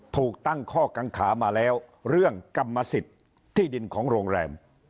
ถูกตั้งข้อกังขามาแล้วเรื่องกรรมสิทธิ์ที่ดินของโรงแรม